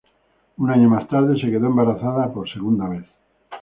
Un año más tarde se quedó embarazada por segunda vez.